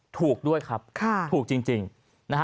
ถูกด้วยครับถูกจริงนะฮะ